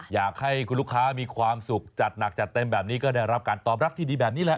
อยากให้คุณลูกค้ามีความสุขจัดหนักจัดเต็มแบบนี้ก็ได้รับการตอบรับที่ดีแบบนี้แหละ